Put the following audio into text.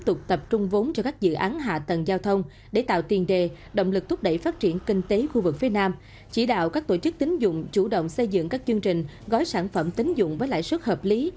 tổ chức tính dụng tiết giảm lực thúc đẩy phát triển kinh tế khu vực phía nam chỉ đạo các tổ chức tính dụng chủ động xây dựng các chương trình gói sản phẩm tính dụng với lãi suất hợp lý